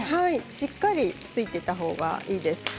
しっかりついていたほうがいいです。